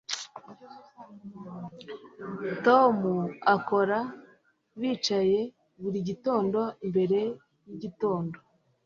Tom akora bicaye buri gitondo mbere yigitondo